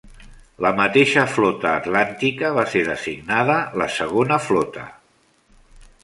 La mateixa Flota Atlàntica va ser designada la Segona Flota.